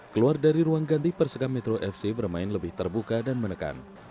keluar dari ruang ganti perseka metro fc bermain lebih terbuka dan menekan